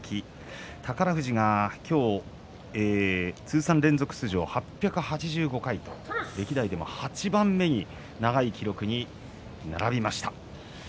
宝富士が通算連続出場８８５回歴代でも８番目に長い記録に並びました。